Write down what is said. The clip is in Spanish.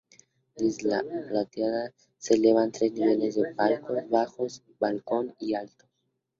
Desde la platea se elevan tres niveles de palcos: bajos, balcón y altos.